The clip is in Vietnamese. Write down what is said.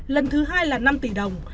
lần thứ hai là năm tỷ đồng